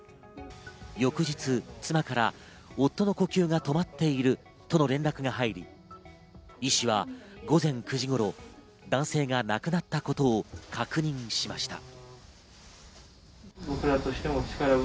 翌日、妻から夫の呼吸が止まっているとの連絡が入り、医師は午前９時頃、男性が亡くなったことを確認しました。